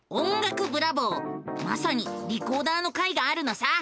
まさにリコーダーの回があるのさ！